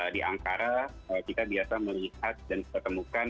di ankara kita biasa melihat dan ketemukan